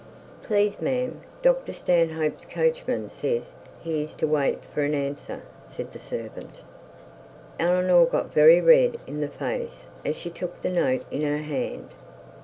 'Please, ma'am, Dr Stanhope's coachman says he is to wait for an answer,' said the servant. Eleanor got very red in the face as she took the note in her hand.